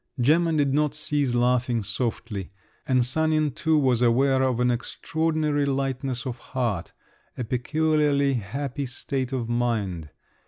Gemma did not cease laughing softly, and Sanin too was aware of an extraordinary lightness of heart, a peculiarly happy state of mind.